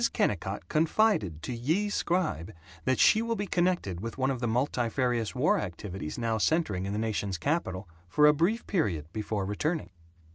Kennicott confided to Ye Scribe that she will be connected with one of the multifarious war activities now centering in the Nation's Capital for a brief period before returning.